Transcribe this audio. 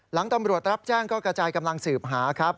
หลังตำรวจรับแจ้งก็กระจายกำลังสืบหาครับ